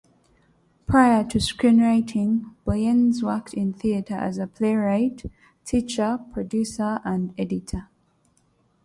Prior to screenwriting, Boyens worked in theater as a playwright, teacher, producer and editor.